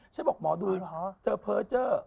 ฉันบอกหมอดูเธอเพลิดเจ้อ